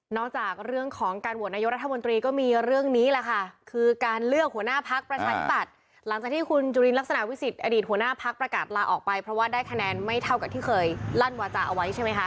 จากเรื่องของการโหวตนายกรัฐมนตรีก็มีเรื่องนี้แหละค่ะคือการเลือกหัวหน้าพักประชาธิปัตย์หลังจากที่คุณจุลินลักษณะวิสิทธิอดีตหัวหน้าพักประกาศลาออกไปเพราะว่าได้คะแนนไม่เท่ากับที่เคยลั่นวาจาเอาไว้ใช่ไหมคะ